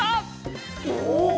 お！